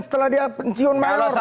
setelah dia pensiun mayor